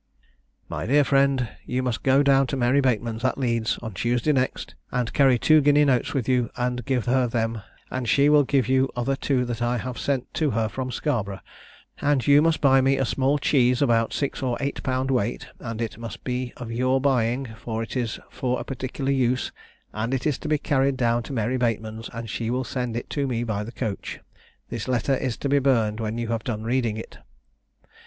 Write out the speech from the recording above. "My dear Friend. You must go down to Mary Bateman's, at Leeds, on Tuesday next, and carry two guinea notes with you and give her them, and she will give you other two that I have sent to her from Scarborough; and you must buy me a small cheese about six or eight pound weight, and it must be of your buying, for it is for a particular use, and it is to be carried down to Mary Bateman's, and she will send it to me by the coach. This letter is to be burned when you have done reading it."